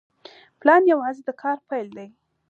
پلان یوازې د کار پیل دی